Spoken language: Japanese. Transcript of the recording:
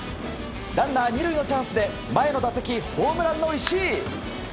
ランナー２塁のチャンスで前の打席、ホームランの石井！